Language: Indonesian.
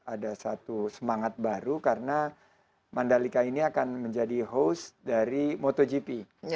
ada satu semangat baru karena mandalika ini akan menjadi host dari motogp